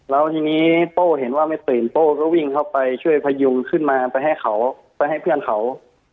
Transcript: แล้วทีนี้โป้เห็นว่าไม่ตื่นโป้ก็วิ่งเข้าไปช่วยพยุงขึ้นมาไปให้เขาไปให้เพื่อนเขา